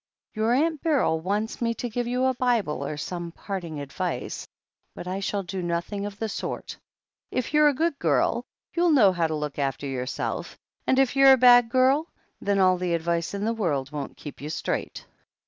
Your Aunt Beryl wants me to give you a Bible or some parting advice, but I shall do nothing of the sort. If you're a good girl, you'll know how to look after yourself, and if you're a bad girl, then all the advice in the world won't keep you straight."